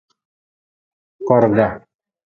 Korga.